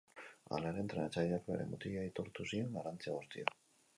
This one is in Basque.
Hala ere, entrenatzaileak bere mutilei aitortu zien garrantzia guztia.